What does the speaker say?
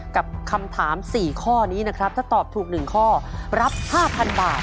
กับคำถาม๔ข้อนี้นะครับถ้าตอบถูก๑ข้อรับ๕๐๐๐บาท